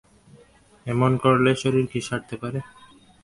এমন করলে শরীর কি সারতে পারে!